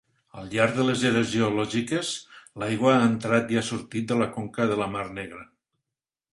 Al llarg de les eres geològiques, l'aigua ha entrat i ha sortit de la conca de la mar Negra.